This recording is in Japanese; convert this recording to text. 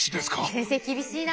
先生厳しいな。